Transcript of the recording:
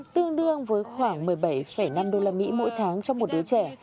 tương đương với khoảng một mươi bảy năm đô la mỹ mỗi tháng trong một đứa trẻ